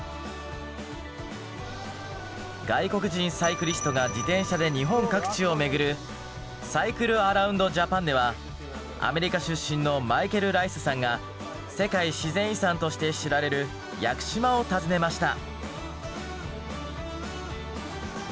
外国人サイクリストが自転車で日本各地を巡るアメリカ出身のマイケル・ライスさんが世界自然遺産として知られる屋久島を訪ねました。